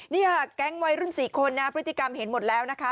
นี่ค่ะแก๊งวัยรุ่น๔คนนะพฤติกรรมเห็นหมดแล้วนะคะ